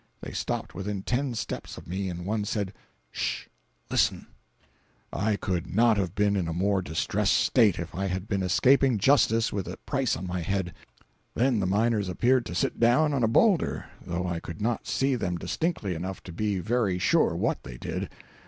They stopped within ten steps of me, and one said: "St! Listen." 263.jpg (75K) I could not have been in a more distressed state if I had been escaping justice with a price on my head. Then the miners appeared to sit down on a boulder, though I could not see them distinctly enough to be very sure what they did.